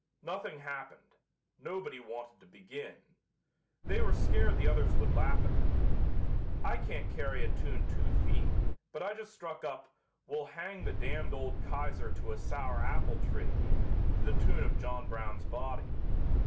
Nothing happened. Nobody wanted to begin. They were scared the others would laugh at them. I can't carry a tune two feet, but I just struck up 'We'll hang the damned old Kaiser to a sour apple tree' to the tune of 'John Brown's Body.'